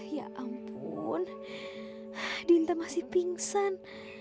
ya ampun dinta masih pingsan